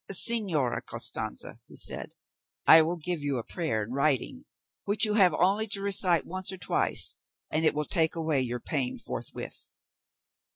"Señora Costanza," he said, "I will give you a prayer in writing, which you have only to recite once or twice, and it will take away your pain forthwith."